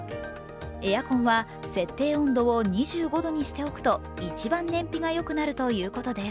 エアコンは設定温度を２５度にしておくと一番燃費がよくなるということです。